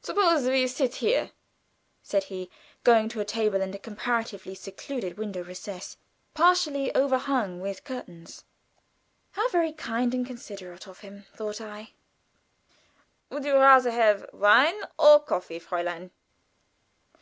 "Suppose we sit here," said he, going to a table in a comparatively secluded window recess, partially overhung with curtains. "How very kind and considerate of him!" thought I. "Would you rather have wine or coffee, Fräulein?"